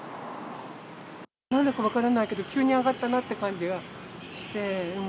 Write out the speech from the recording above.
なんでか分からないけど、急に上がったなって感じがして。